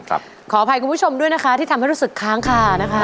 ขออภัยทุกคุณผู้ชมที่ทำให้รู้สึกค้างค่ะ